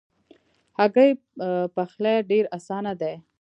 هګۍ پخلی ډېر آسانه دی.